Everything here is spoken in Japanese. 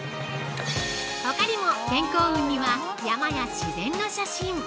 ◆ほかにも、健康運には山や自然の写真。